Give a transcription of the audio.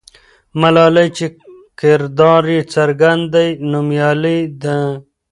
ملالۍ چې کردار یې څرګند دی، نومیالۍ ده.